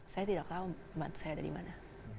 saya tidak tahu pembantu saya dari mana